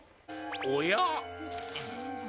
おや？